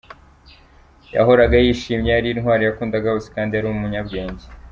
Yahoraga yishimye, yari intwari, yakundaga bose kandi yari umunyabwenge.